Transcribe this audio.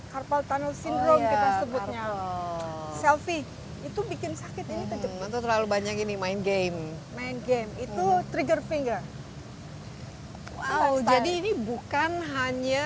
carpal tunnel syndrome kita sebutnya